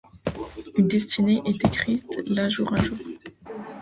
Une destinée est écrite là jour à jour.